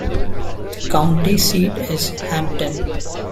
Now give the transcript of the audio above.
The county seat is Hampton.